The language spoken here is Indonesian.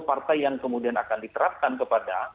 partai yang kemudian akan diterapkan kepada